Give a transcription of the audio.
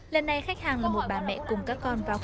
lần này khách hàng là một bà mẹ cùng các con vào